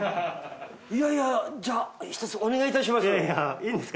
いやいやじゃあひとつお願いいたします。